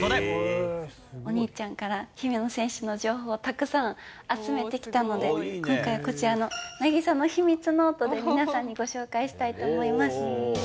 お兄ちゃんから姫野選手の情報をたくさん集めてきたので、今回はこちらの、凪咲の秘密ノートで皆さんにご紹介したいと思います。